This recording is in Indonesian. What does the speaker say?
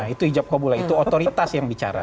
itu hijab kobula itu otoritas yang bicara